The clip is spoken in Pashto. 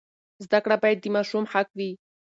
زده کړه باید د ماشوم حق وي.